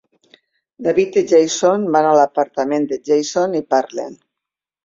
David i Jason van a l'apartament de Jason i parlen.